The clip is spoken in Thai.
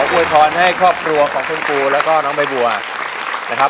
ขออวยทอนให้ครอบครัวของคุณกูและน้องใบบัวนะครับ